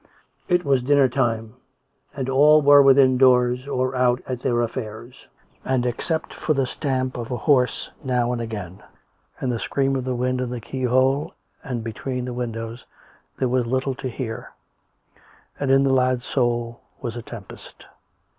It was dinner time, and all were within doors or out at their affairs; and except for the stamp of a horse now and again, and the scream of the wind in the keyhole and between the windows, there was little to hear. And in the lad's soul was a tempest.